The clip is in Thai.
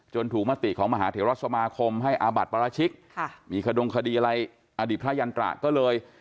ถูกมติของมหาเทวรัฐสมาคมให้อาบัติปราชิกมีขดงคดีอะไรอดีตพระยันตราก็เลย